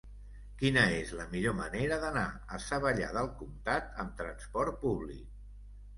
Quina és la millor manera d'anar a Savallà del Comtat amb trasport públic?